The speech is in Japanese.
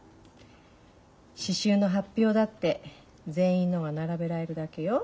刺繍の発表だって全員のが並べられるだけよ。